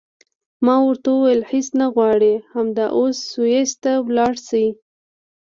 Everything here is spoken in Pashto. ما ورته وویل هېڅ نه غواړې همدا اوس سویس ته ولاړه شې.